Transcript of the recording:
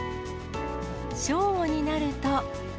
正午になると。